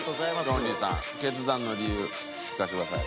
ロンリーさん決断の理由聞かせてください。